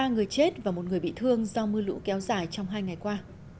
ba người chết và một người bị thương do mưa lũ kéo dài trong hai ngày qua